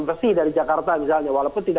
berhasil dari jakarta misalnya walaupun